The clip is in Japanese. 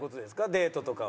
デートとかは。